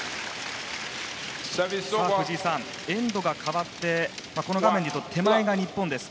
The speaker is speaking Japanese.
藤井さん、エンドが変わってこの画面でいうと手前が日本です。